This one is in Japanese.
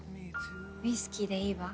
ウイスキーでいいわ。